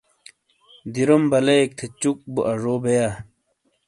دیرُم بلئیک تھے چُک بو ازو بےیا ۔۔